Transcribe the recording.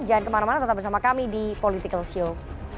jangan kemana mana tetap bersama kami di politikalshow